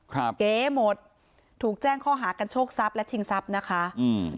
เก๋หมดถูกแจ้งข้อหากันโชคทรัพย์และชิงทรัพย์นะคะอืม